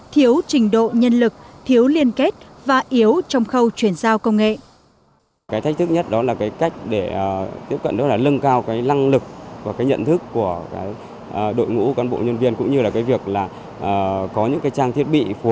thiếu trình độ nhân lực thiếu liên kết và yếu trong khâu chuyển giao công nghệ